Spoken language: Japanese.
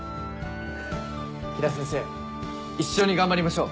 黄多先生一緒に頑張りましょう。